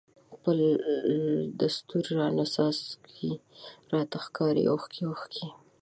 پاس دستورو راڼه څاڅکی، راته ښکاری اوښکی اوښکی